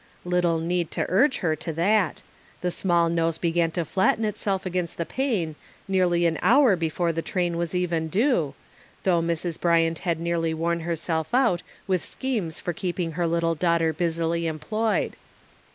Little need to urge her to that. The small nose began to llatten itself against the pane nearly an hour before the train was even due, though Mrs. Bryant had nearly worn herself out with schemes for keeping her little daughter busily employed.